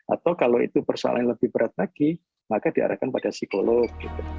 atau kalau itu persoalan yang lebih berat lagi maka diarahkan ke psikolog